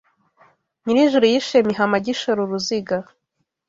Nyirijuru yishe Mihama Agishora uruziga